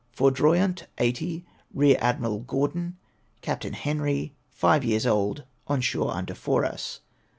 Foudroyant, 80, Eear Admiral Gfourdon, Captain Henri. Five years old ; on shore under Fouras.